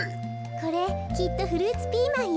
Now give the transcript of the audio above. これきっとフルーツピーマンよ。